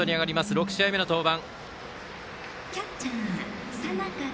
６試合目の登板。